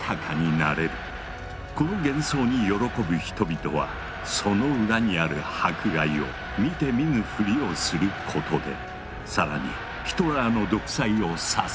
この幻想に喜ぶ人々はその裏にある迫害を見て見ぬふりをすることで更にヒトラーの独裁を支えていったのだ。